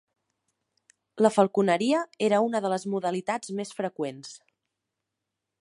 La falconeria era una de les modalitats més freqüents.